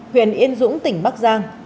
huyền yên dũng tỉnh bắc giang